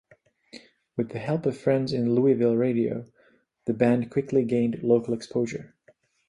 With the help of friends in Louisville radio, the band quickly gained local exposure.